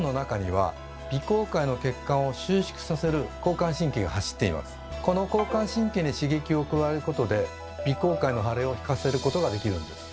中身が入ったこの交感神経に刺激を加えることで鼻甲介の腫れを引かせることができるんです。